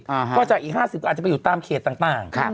ก็จากอีกห้าสิบก็อาจจะไปอยู่ตามเขตต่าง